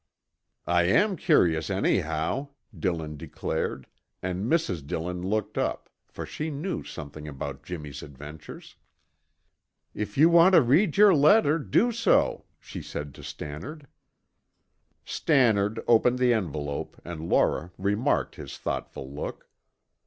"I am curious, anyhow," Dillon declared, and Mrs. Dillon looked up, for she knew something about Jimmy's adventures. "If you want to read your letter, do so," she said to Stannard. Stannard opened the envelope and Laura remarked his thoughtful look.